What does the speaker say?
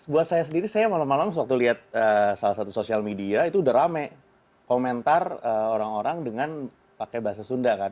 buat saya sendiri saya malam malam sewaktu lihat salah satu sosial media itu udah rame komentar orang orang dengan pakai bahasa sunda kan